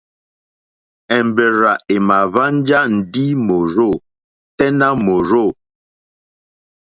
Èmbèrzà èmà hwánjá ndí mòrzô tɛ́ nà mòrzô.